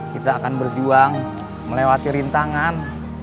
kita akan berjuang melewati rintangan